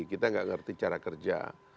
kita nggak ngerti cara kerja